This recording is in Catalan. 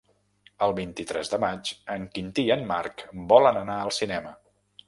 El vint-i-tres de maig en Quintí i en Marc volen anar al cinema.